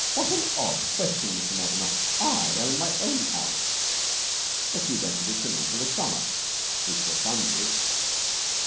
"What an odd question, Mr. Mortimer! I am in my own house!" "But you rented it to me for the summer. At least, your son did."